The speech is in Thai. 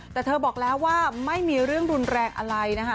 แต่เธอบอกแล้วว่าไม่มีเรื่องรุนแรงอะไรนะคะ